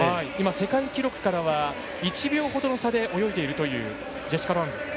世界記録からは１秒ほどの差で泳いでいるというジェシカ・ロング。